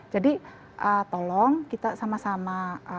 jadi tolong kita sama sama